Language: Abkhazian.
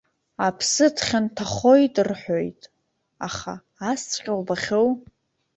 Аԥсы дхьанҭахоит рҳәоит, аха асҵәҟьа убахьоу!